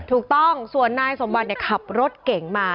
ถูกต้องส่วนนายสมบัติขับรถเก่งมา